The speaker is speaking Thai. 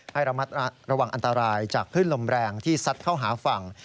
ให้ระมัดระวังอันตรายจากคลื่นลมแรงที่ซัดเข้าหาฝั่ง